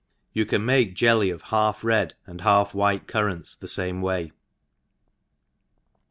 You may nuke jelly of half red and half white currants the fame way.